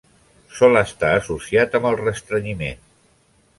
Sol estar associat amb el restrenyiment.